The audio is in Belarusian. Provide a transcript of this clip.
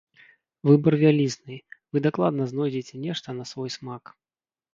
Выбар вялізны, вы дакладна знойдзеце нешта на свой смак.